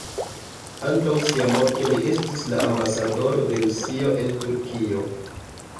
Antaŭ sia morto li estis la ambasadoro de Rusio en Turkio.